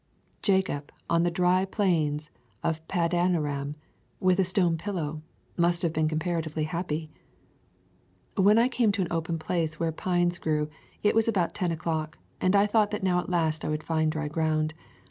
Jacob on the dry plains of Padan aram, with a stone pillow, must have been comparatively happy. When I came to an open place where pines grew, it was about ten o'clock, and I thought that now at last I would find dry ground.